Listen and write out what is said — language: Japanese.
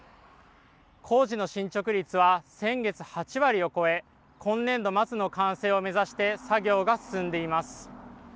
工事の進捗率は先月８割を超え、今年度末の完成を目指して作業が進んでいます。